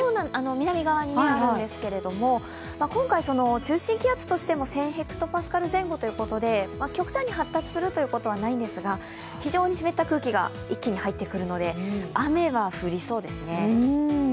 南側にあるんですけども今回、中心気圧としても１０００ｈＰａ前後ということで極端に発達することはないんですが、非常に湿った空気が一気に入ってくるので雨は降りそうですね。